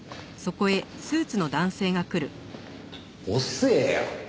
遅えよ！